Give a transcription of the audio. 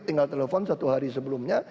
tinggal telepon satu hari sebelumnya